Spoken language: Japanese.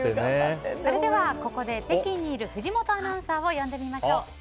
それではここで北京にいる藤本アナウンサーを呼んでみましょう。